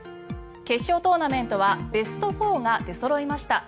決勝トーナメントはベスト４が出そろいました。